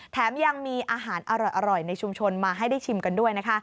แถมยังมีอาหารอร่อยในชุมชนมาให้ได้ชิมกันด้วยนะคะ